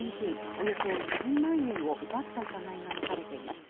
およそ２０万円を奪った疑いが持たれています。